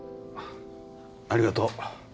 ありがとう。